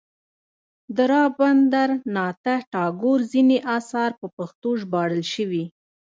د رابندر ناته ټاګور ځینې اثار په پښتو ژباړل شوي.